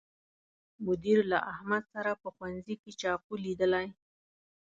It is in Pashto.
مدیر له احمد سره په ښوونځي کې چاقو لیدلی